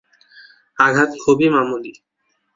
আঘাত খুবই মামুলী।